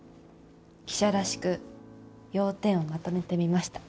記者らしく要点をまとめてみました。